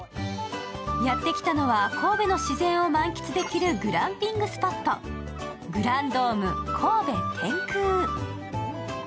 やってきたのは神戸の自然を満喫できるグランピングスポット、ＧＲＡＭＰＤＯＭＥ神戸天空。